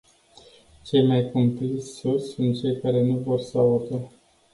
Cei mai cumpliți surzi sunt cei care nu vor să audă.